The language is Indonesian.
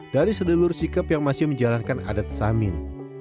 dari sedulur sikep yang masih menjalankan adat samin